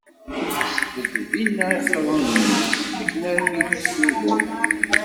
Isbedd dinna iqiḍunen-is, akken armi d Sudum.